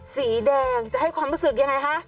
สีแดงจะให้ความรู้สึกยังไงคะ